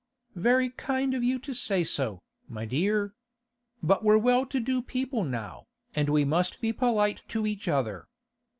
'Very kind of you to say so, my dear. But we're well to do people now, and we must be polite to each other.